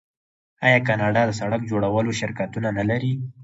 آیا کاناډا د سړک جوړولو شرکتونه نلري؟